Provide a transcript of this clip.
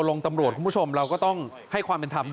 ส่งมาขอความช่วยเหลือจากเพื่อนครับ